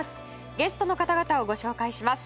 ゲストの方々をご紹介します。